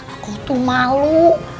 aku tuh malu